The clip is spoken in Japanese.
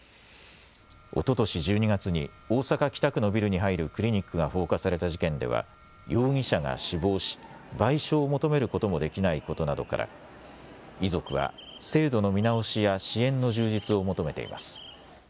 おととし１２月に大阪北区のビルに入るクリニックが放火された事件では容疑者が死亡し賠償を求めることもできないことなどから遺族は制度の見直しや支援の充実を求めています。